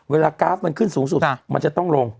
เวลากาฟมันมย์ขึ้นสูงมันจะต้องลง